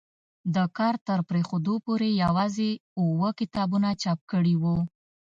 د کار تر پرېښودو پورې یوازې اووه کتابونه چاپ کړي وو.